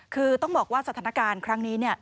คือต้องบอกว่าสถานการณ์ครั้งนี้